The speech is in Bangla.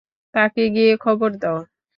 তাকে গিয়ে খবর দাও।